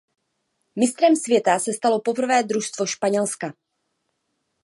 Mistrem světa se stalo poprvé družstvo Španělska.